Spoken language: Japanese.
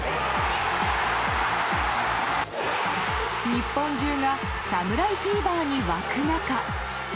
日本中が侍フィーバーに沸く中。